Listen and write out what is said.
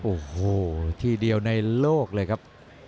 โอ้โหทีเดียวในโลกเลยครับ